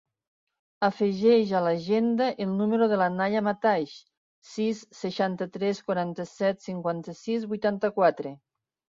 Afegeix a l'agenda el número de la Naia Mataix: sis, seixanta-tres, quaranta-set, cinquanta-sis, vuitanta-quatre.